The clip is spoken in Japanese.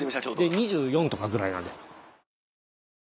で２４とかぐらいなので。